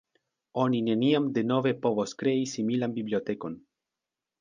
Oni neniam denove povos krei similan bibliotekon.